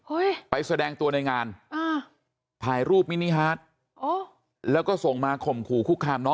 ไปแสดงตัวในงานอ่าถ่ายรูปมินิฮาร์ดโอ้แล้วก็ส่งมาข่มขู่คุกคามน้อง